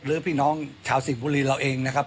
หรือพี่น้องชาวสิงห์บุรีเราเองนะครับ